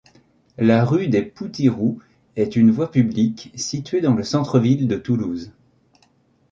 La rue des Poutiroux est une voie publique située dans le centre-ville de Toulouse.